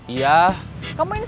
gak ada yang n imperi